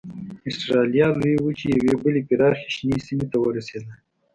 اسټرالیا لویې وچې یوې بلې پراخې شنې سیمې ته ورسېدل.